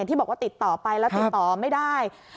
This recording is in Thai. ที่บอกว่าติดต่อไปแล้วติดต่อไม่ได้